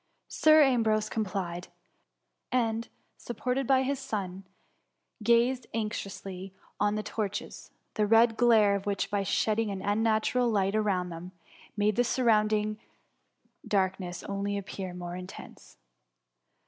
Sir Ambrose complied ; and, supported by THE MUBiMV. 4Q his ^n, gazed anxiously on the torches^ the red glare of which, by shedding an unnatural light around them, made the surrounding darkness offxly appear more intense.